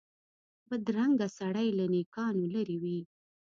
بدرنګه سړی له نېکانو لرې وي